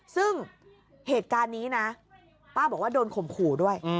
ซึ่งเหตุการณ์นี้นะป้าบอกว่าโดนข่มขู่ด้วย